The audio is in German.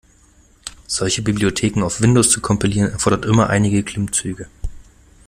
Solche Bibliotheken auf Windows zu kompilieren erfordert immer einige Klimmzüge.